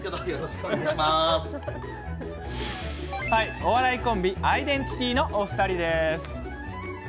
お笑いコンビアイデンティティのお二人です。